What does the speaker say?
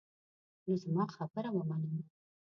نو زما خبره ومنه.